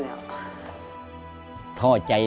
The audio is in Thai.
๑ล้าน